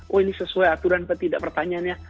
oh ini sesuai aturan atau tidak pertanyaannya